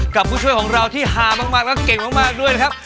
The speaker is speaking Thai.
กับผู้ช่วยของเราที่ฮามากแล้วเก่งมากด้วยนะครับ